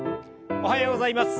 おはようございます。